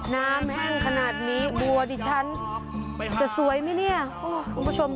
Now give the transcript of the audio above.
แห้งขนาดนี้บัวดิฉันจะสวยไหมเนี่ยคุณผู้ชม